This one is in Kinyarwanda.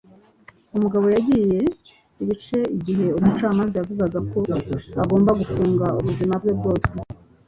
Umugabo yagiye ibice igihe umucamanza yavugaga ko agomba gufungwa ubuzima bwe bwose